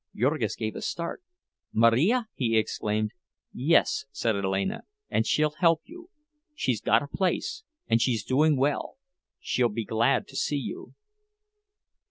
Jurgis gave a start. "Marija!" he exclaimed. "Yes," said Alena; "and she'll help you. She's got a place, and she's doing well; she'll be glad to see you."